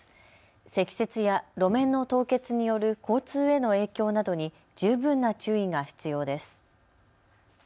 積雪や路面の凍結による交通への影響などに十分な注意が必要です。